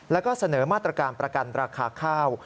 แล้วก็เสนอมาตรการประกันราคาข้าว